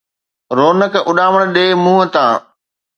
رونق اُڏامڻ ڏي منهن تان،